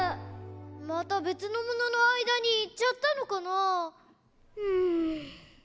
またべつのもののあいだにいっちゃったのかな？